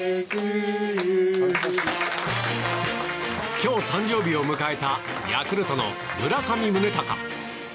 今日、誕生日を迎えたヤクルトの村上宗隆。